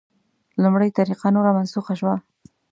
لومړۍ طریقه نوره منسوخه شوه.